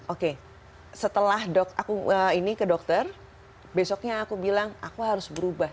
oke setelah dok aku ini ke dokter besoknya aku bilang aku harus berubah